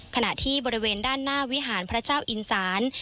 ขณะที่บริเวณด้านหน้าวิหารพระเจ้าอินสาน